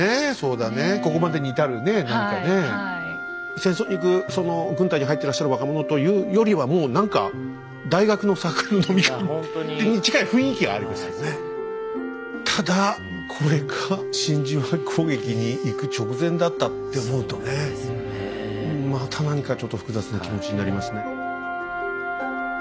戦争に行く軍隊に入ってらっしゃる若者というよりはもう何かただこれが真珠湾攻撃に行く直前だったって思うとねまた何かちょっと複雑な気持ちになりますね。